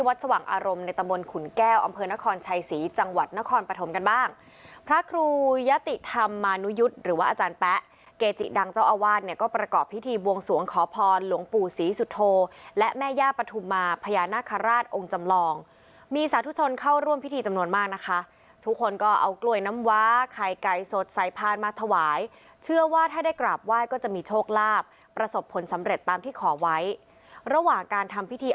วัดสว่างอารมณ์ในตะบลขุนแก้วอำเภอนครชัยศรีจังหวัดนครปฐมกันบ้างพระครูยะติธรรมมานุยุฏหรือว่าอาจารย์แป๊ะเกจิดังเจ้าอวาลเนี่ยก็ประกอบพิธีบวงสวงขอพรหลวงปู่ศรีสุโธและแม่ย่าปฐุมาพญานาคาราชองค์จำลองมีสาธุชนเข้าร่วมพิธีจำนวนมากนะคะทุกคนก็เอากล